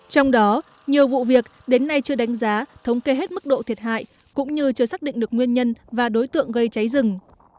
trong đó nhiều vụ việc đến nay chưa đánh giá thống kê hết mức độ thiệt hại cũng như chưa xác định được nguyên nhân và đối tượng gây cháy rừng